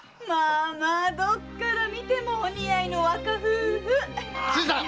まあまあどっから見てもお似合いの若夫婦！